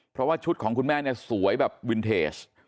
เพราะว่าชุดของคุณแม่เนี่ยสวยแบบวินเทจ